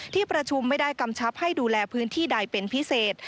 ที่ประชุมไม่ได้กำชับให้ดูแลพื้นที่ใดเป็นพิเศษ